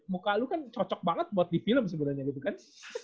muka lu kan cocok banget buat di film sebenarnya gitu kan